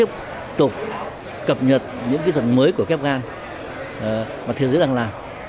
tiếp tục cập nhật những kỹ thuật mới của ghép gan mà thế giới đang làm